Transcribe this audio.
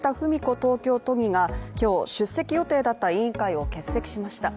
東京都議が今日出席予定だった委員会を欠席しました。